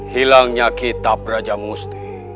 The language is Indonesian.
hilangnya kitab raja musti